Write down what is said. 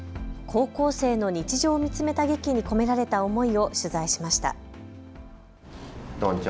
高校生の日常を見つめた劇に込められた思いを取材しました。